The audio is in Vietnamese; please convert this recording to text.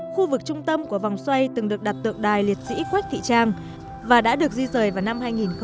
khu vực trung tâm của vòng xoay từng được đặt tượng đài liệt sĩ quách thị trang và đã được di rời vào năm hai nghìn một mươi